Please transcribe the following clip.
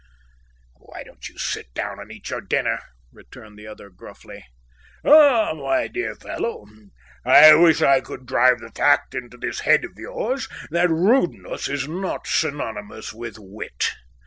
"Why don't you sit down and eat your dinner?" returned the other, gruffly. "Ah, my dear fellow, I wish I could drive the fact into this head of yours that rudeness is not synonymous with wit.